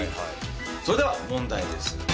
それでは問題です。